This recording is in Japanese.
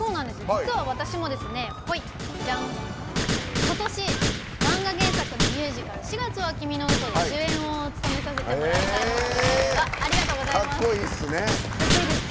実は私も今年、漫画原作のミュージカル「四月は君の嘘」で主演を務めさせてもらったんです。